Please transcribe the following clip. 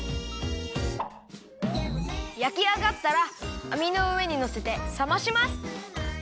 やきあがったらあみのうえにのせてさまします！